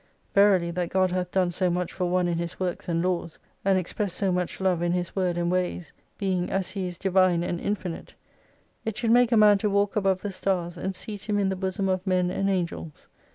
Verily that God hath done so much for one in His works and laws, and expressed so much love in His word and ways, being as He is Divine and infinite, it should make a man to walk above the stars, and seat him in the bosom of Men and Angels.